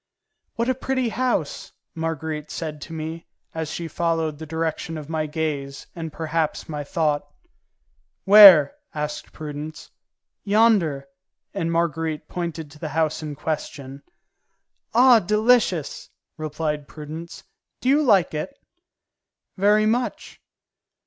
"What a pretty house!" Marguerite said to me, as she followed the direction of my gaze and perhaps of my thought. "Where?" asked Prudence. "Yonder," and Marguerite pointed to the house in question. "Ah, delicious!" replied Prudence. "Do you like it?" "Very much."